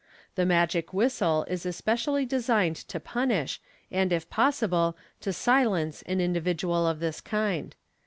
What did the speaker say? The magic whistle is specially designed to punish, and, if possible, to silence, an individual of this kind.